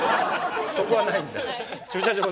そこはないんだ。